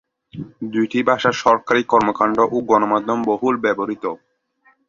দুইটি ভাষা সরকারী কর্মকাণ্ড ও গণমাধ্যমে বহুল ব্যবহৃত।